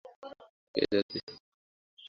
এর যাত্রী ধারণক্ষমতা প্রায় সাড়ে চার শ।